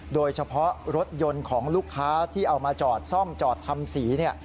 โดยเฉพาะรถยนต์ของลูกค้าที่เอามาจอดซ่อมจอดทำสีเนี่ย